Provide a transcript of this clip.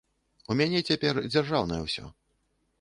У мяне цяпер дзяржаўнае ўсё.